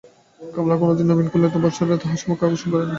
কমলা কোনোদিন নবীনকালীর কোনো ভর্ৎসনায় তাঁহার সম্মুখে অশ্রুবর্ষণ করে নাই।